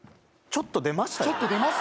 ちょっと出ましたよ